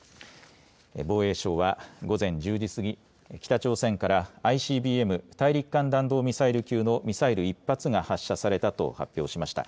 防衛省は午前１０時過ぎ、北朝鮮からＩＣＢＭ・大陸間弾道ミサイル級のミサイル１発が発射されたと発表しました。